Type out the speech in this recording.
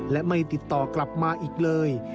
และไม่ติดต่อกลับมาอีกเลย